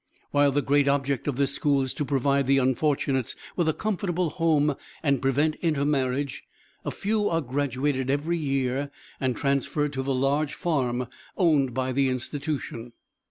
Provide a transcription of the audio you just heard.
While the great object of this school is to provide the unfortunates with a comfortable home and prevent intermarriage, a few are graduated every year and transferred to the large farm owned by the institution.